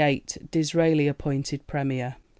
Disraeli appointed Premier.